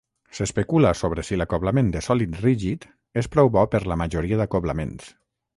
S'especula sobre si l'acoblament de sòlid rígid és prou bo per la majoria d'acoblaments.